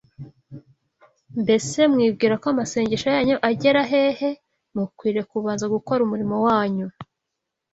Mbese mwibwira ko amasengesho yanyu agera hehe? Mukwiriye kubanza gukora umurimo wanyu